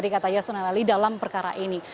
kata yasona lali dalam perkara ini